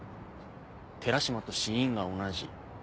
寺島と死因が同じ。